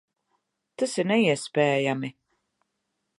Tas ir neiespējami!